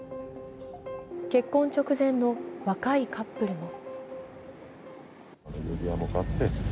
結婚直前の若いカップルも。